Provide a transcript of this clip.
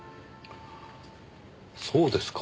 そうですか？